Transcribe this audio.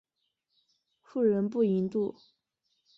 妇人不淫妒。